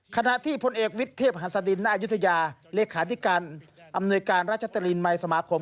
ขณะที่พลเอกวิทย์เทพหัสดินณอายุทยาเลขาธิการอำนวยการราชตรีนมัยสมาคม